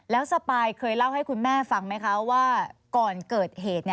แล้วสปายเคยเล่าให้คุณแม่ฟังไหมคะว่าก่อนเกิดเหตุ